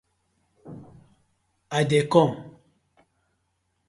I dey kom.